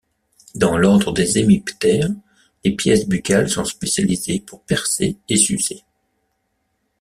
Dans l'ordre des hémiptères, les pièces buccales sont spécialisées pour percer et sucer.